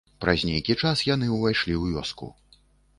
Праз нейкі час яны ўвайшлі ў вёску.